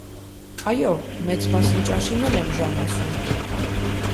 - Այո, մեծ պասին ճաշին էլ են ժամ ասում: